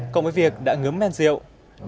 cộng với việc đã ngớm men sinh